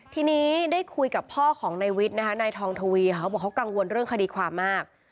ทีนี้ได้คุยกับพ่อของนายวิทย์นะคะนายทองทวีเขาบอกเขากังวลเรื่องคดีความมาก